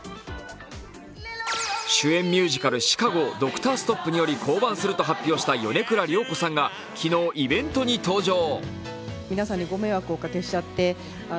主演ミュージカル「ＣＨＩＣＡＧＯ」をドクターストップにより降板すると発表した米倉涼子さんが昨日、イベントに登場。